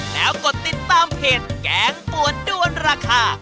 แล้วกดติดตามเพจแกงปวดด้วนราคา